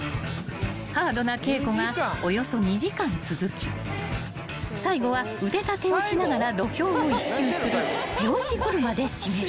［ハードな稽古がおよそ２時間続き最後は腕立てをしながら土俵を１周する手押し車で締める］